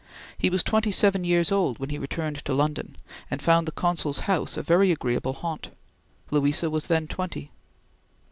He was twenty seven years old when he returned to London, and found the Consul's house a very agreeable haunt. Louisa was then twenty.